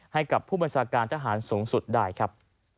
ให้กับผู้บัญชาการทหารสูงสุดได้ครับ